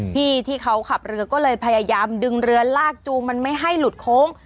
พี่ที่เขาขับเรือก็เลยพยายามดึงเรือลากจูงมันไม่ให้หลุดโค้ง